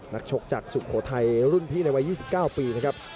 ชกจากสุโขทัยรุ่นพี่ในวัย๒๙ปีนะครับ